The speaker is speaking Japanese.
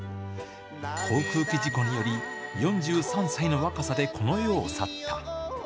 航空機事故により、４３歳の若さでその世を去った。